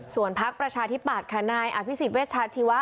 ส่วนพักประชาธิบัติคณะอภิษฐิเวชชาชีวะ